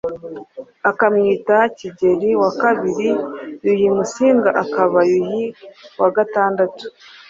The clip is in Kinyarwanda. akamwita Kigeri wakabiri, Yuhi Musinga akaba Yuhi wagatandatu,